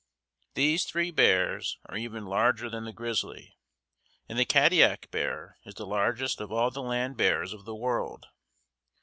These three bears are even larger than the grizzly, and the Kadiak Bear is the largest of all the land bears of the world.